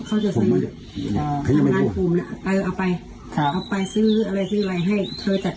พึ่งจบยังไม่ได้รับราคีนาภาพ